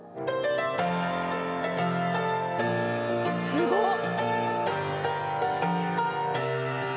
すごっ！